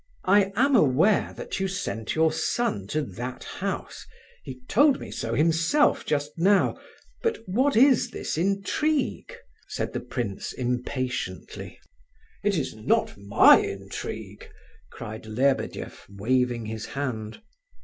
"I am aware that you sent your son to that house—he told me so himself just now, but what is this intrigue?" said the prince, impatiently. "It is not my intrigue!" cried Lebedeff, waving his hand.